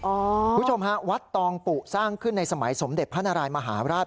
คุณผู้ชมฮะวัดตองปุสร้างขึ้นในสมัยสมเด็จพระนารายมหาราช